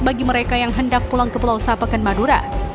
bagi mereka yang hendak pulang ke pulau sapekan madura